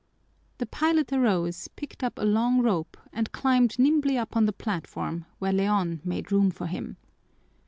The pilot arose, picked up a long rope, and climbed nimbly up on the platform, where Leon made room for him.